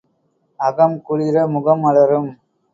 அகம் குளிர முகம் மலரும்.